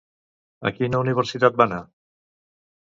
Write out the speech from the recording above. A quina universitat va anar?